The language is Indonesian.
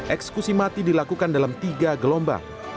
eksekusi mati dilakukan dalam tiga gelombang